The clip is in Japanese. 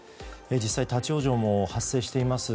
実際、立ち往生も発生しています。